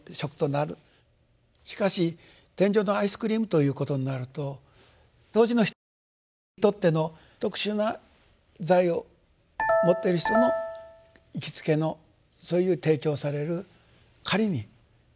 しかし「天上のアイスクリーム」ということになると当時の人たちにとっての特殊な財を持っている人の行きつけのそういう提供される仮に食だと。